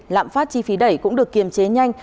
lạm phát chi phí đẩy cũng được kiềm chế nhanh